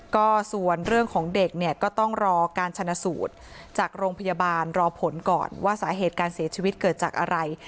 ก็ส่วนเรื่องของเด็กเนี่ยก็ต้องรอการชนะสูตรจากโรงพยาบาลรอผลก่อนว่าสาเหตุการเสียชีวิตเกิดจากอะไร